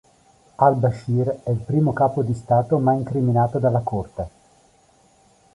Al-Bashir è il primo capo di Stato mai incriminato dalla Corte.